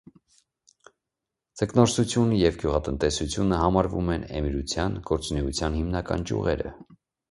Ձկնորսությունը և գյուղատնտեսությունը համարվում են էմիրության գործունեության հիմնական ճյուղերը։